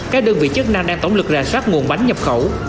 các đơn vị chức năng đang tổng lực ra sát nguồn bánh nhập khẩu